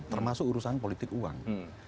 termasuk urusan politik uang